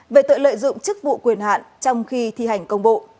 về tội lợi dụng chức vụ quyền hạn trong khi thi hành công vụ